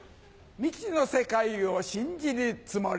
未知の世界を信じるつもり。